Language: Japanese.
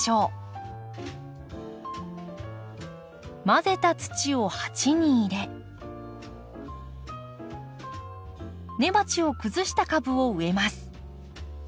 混ぜた土を鉢に入れ根鉢を崩した株を植えます。